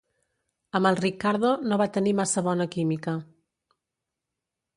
Amb el Riccardo no va tenir massa bona química.